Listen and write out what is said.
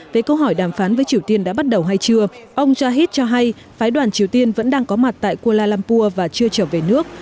về câu hỏi đàm phán với triều tiên đã bắt đầu hay chưa ông jahid cho hay phái đoàn triều tiên vẫn đang có mặt tại kuala lumpur và chưa trở về nước